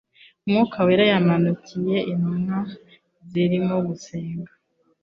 Umvuka wera yamanukiye intumwa zirimo gusenga.